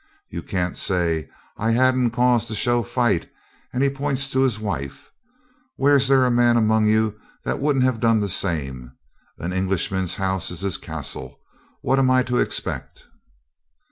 'You can't say I hadn't cause to show fight,' and he points to his wife. 'Where's the man among you that wouldn't have done the same? An Englishman's house is his castle. What am I to expect?'